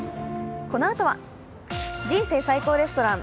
このあとは「人生最高レストラン」。